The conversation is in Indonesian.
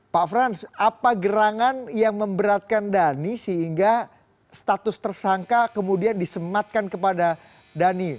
pak frans apa gerangan yang memberatkan dhani sehingga status tersangka kemudian disematkan kepada dhani